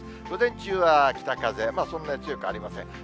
午前中は北風、そんなに強くありません。